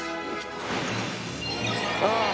ああ！